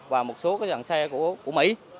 và một số dàn xe của mỹ